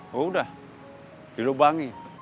oh udah dilubangi